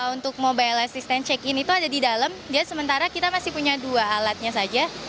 untuk mobile assistant check in itu ada di dalam dan sementara kita masih punya dua alatnya saja